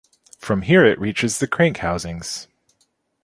From here it reaches the crank housings.